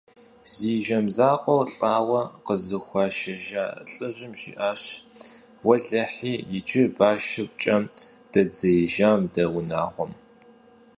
Зи жэм закъуэр лӀауэ къызыхуашэжа лӀыжьым жиӀащ: «Уэлэхьи, иджы башыр пкӀэм дэддзеижам дэ унагъуэм».